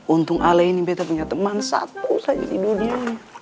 untung ale ini bete punya teman satu saja di dunia